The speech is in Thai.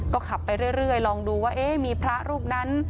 ก็ขับไปเรื่อยลองดูว่ามีพระรูปนั้น